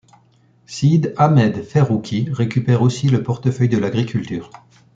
Sid Ahmed Ferroukhi récupère aussi le portefeuille de l'Agriculture.